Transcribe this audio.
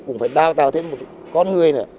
cũng phải đa tạo thêm một con người nữa